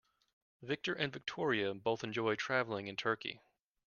Victor and Victoria both enjoy traveling in Turkey.